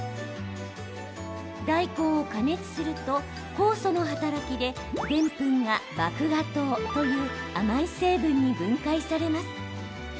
大根を加熱すると酵素の働きででんぷんが麦芽糖という甘い成分に分解されます。